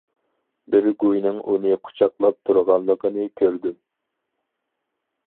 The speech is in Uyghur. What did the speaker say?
بىر گۇينىڭ ئۇنى قۇچاقلاپ تۇرغانلىقىنى كۆردۈم.